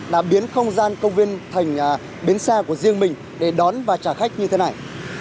đã biến không gian công viên thành biến xa của riêng mình để đón và trả khách như thế này